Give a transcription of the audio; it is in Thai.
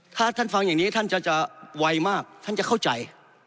ถ้าท่านฟังอย่างนี้ท่านจะไวมากท่านจะเข้าใจ